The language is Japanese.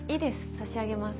差し上げます